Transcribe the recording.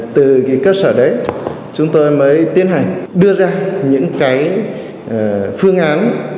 từ cơ sở đấy chúng tôi mới tiến hành đưa ra những cái phương án